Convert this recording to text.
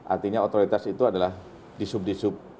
artinya otoritas itu adalah disub disub